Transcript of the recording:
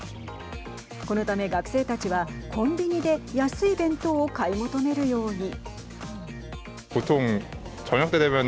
このため学生たちはコンビニで安い弁当を買い求めるように。